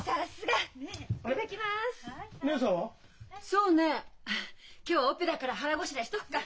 そうね今日オペだから腹ごしらえしとくか。